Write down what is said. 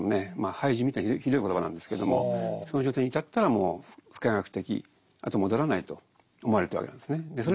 廃人みたいにひどい言葉なんですけれどもその状態に至ったらもう不可逆的あとは戻らないと思われてたわけなんですね。